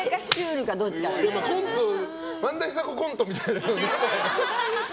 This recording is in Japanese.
萬田久子コントみたいな。